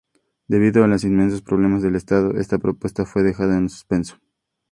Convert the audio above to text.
Debido a los inmensos problemas del Estado, esta propuesta fue dejada en suspenso.